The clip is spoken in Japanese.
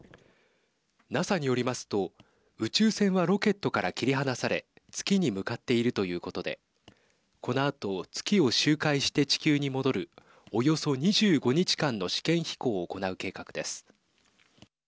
ＮＡＳＡによりますと宇宙船はロケットから切り離され月に向かっているということでこのあと月を周回して地球に戻るおよそ２５日間の試験飛行を行う計画です。